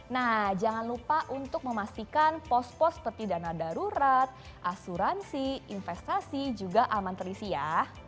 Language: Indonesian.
nah jangan lupa untuk memastikan pos pos seperti dana darurat asuransi investasi juga aman terisi ya